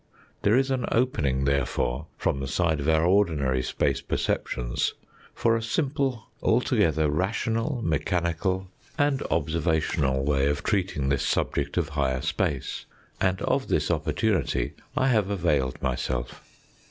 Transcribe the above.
There is an opening, therefore, from the side of our ordinary space perceptions for a simple, altogether rational, mechanical, and observational way VI PBEFACE of treating this subject of higher space, and of this opportunity I have availed myself.